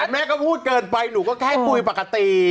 แม่ก็พูดเกินไปหนูก็แค่คุยปกติ